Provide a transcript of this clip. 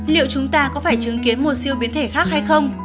liệu chúng ta có phải chứng kiến một siêu biến thể khác hay không